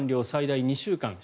最大２週間。